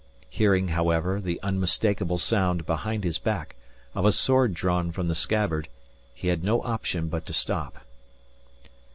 Hearing, however, the unmistakable sound, behind his back, of a sword drawn from the scabbard, he had no option but to stop.